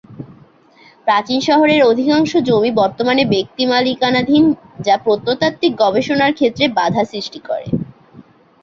প্রাচীন শহরের অধিকাংশ জমি বর্তমানে ব্যক্তিমালিকানাধীন যা প্রত্নতাত্ত্বিক গবেষণার ক্ষেত্রে বাধা সৃষ্টি করে।